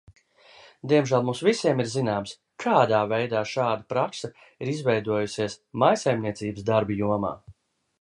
Diemžēl mums visiem ir zināms, kādā veidā šāda prakse ir izveidojusies mājsaimniecības darbu jomā.